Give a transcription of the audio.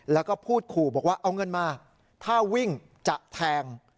แล้วก็พูดขู่บอกว่าเอาเงินมาถ้าวิ่งจะแทง